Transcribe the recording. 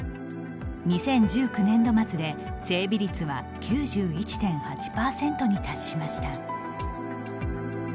２０１９年度末で整備率は９１．８％に達しました。